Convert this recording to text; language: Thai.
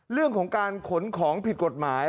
เรื่องของการขนของผิดกฎหมาย